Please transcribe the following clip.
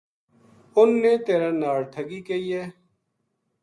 اُنھ نے تیرے ناڑ ٹھگی کئی ہے